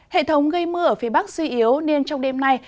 hệ thống gây mưa ở phía bắc suy yếu nên trong đêm nay